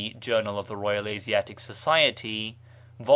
Journal of the Royal Asiatic Society, vol.